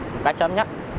một cách sớm nhất